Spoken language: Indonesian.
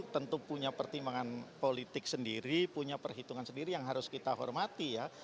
tentu punya pertimbangan politik sendiri punya perhitungan sendiri yang harus kita hormati ya